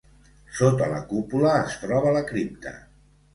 Sota la cúpula es troba la cripta.